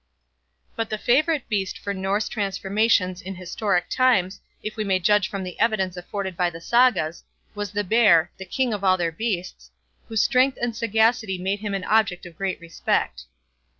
But the favourite beast for Norse transformations in historic times, if we may judge from the evidence afforded by the Sagas, was the bear, the king of all their beasts, whose strength and sagacity made him an object of great respect.